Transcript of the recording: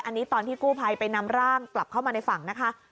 อันนี้ตอนที่กู้ภัยไปนำร่างกลับเข้ามาในฝั่งนะคะ